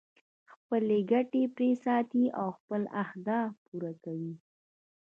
خپلې ګټې پرې ساتي او خپل اهداف پوره کوي.